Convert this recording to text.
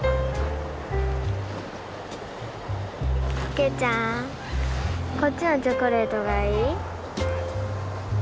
啓ちゃんこっちのチョコレートがいい？